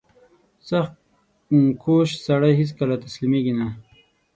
• سختکوش سړی هیڅکله تسلیمېږي نه.